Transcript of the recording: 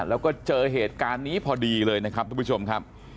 แล้วก็เจอเหตุการณ์นี้พอดีเลยนะครับทุกผู้ชมครับ